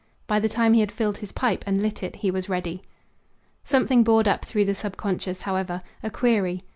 By the time he had filled his pipe and lit it he was ready. Something bored up through the subconscious, however a query.